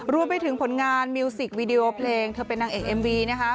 รวมไปถึงผลงานมิวสิกวีดีโอเพลงเธอเป็นนางเอกเอ็มวีนะคะ